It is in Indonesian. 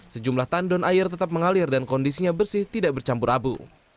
sejumlah tandon air tetap mengalir dan kondisinya bersih tidak bercampur abu